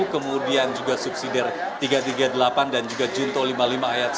kemudian juga subsidi tiga ratus tiga puluh delapan dan juga junto lima puluh lima ayat satu